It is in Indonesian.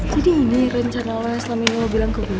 jadi ini rencana lu yang selalu bilang ke gue